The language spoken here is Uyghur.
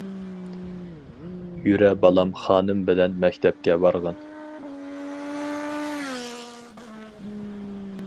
يۈرە بالام خانىم بىلەن مەكتەپكە بارغىن!